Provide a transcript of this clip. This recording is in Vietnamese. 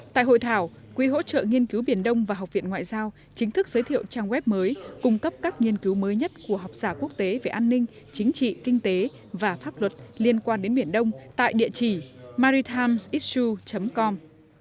tại hội thảo quỹ hỗ trợ nghiên cứu biển đông và học viện ngoại giao chính thức giới thiệu trang web mới cung cấp các nghiên cứu mới nhất của học giả quốc tế về an ninh chính trị kinh tế và pháp luật liên quan đến biển đông tại địa chỉ maritams itsu com